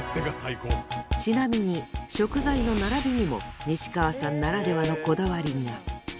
ちなみに食材の並びにも西川さんならではのこだわりが。